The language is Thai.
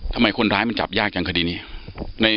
ทำไมคนร้ายมันจับยากจังคดีนี้